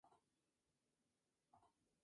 Fue ejecutado en Tyburn en Londres.